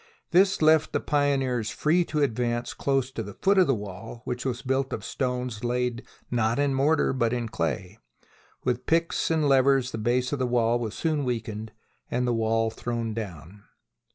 This left the pioneers free to advance close to the foot of the wall, which was built of stones laid, not in mor tar, but in clay. With picks and levers the base of the wall was soon weakened and the wall thrown down.